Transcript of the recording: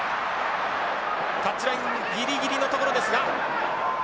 タッチラインギリギリの所ですが。